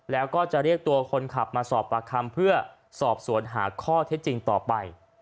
แล้วก็จะเรียกตัวคนขับมาสอบปากคำเพื่อสอบสวนหาข้อเท็จจริงต่อไป